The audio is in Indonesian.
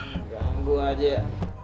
gak anggu aja